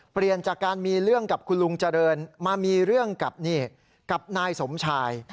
เปลี่ยนจากการมีเรื่องกับคุณลุงเจริญมามีเรื่องกับนี่กับนายสมชาย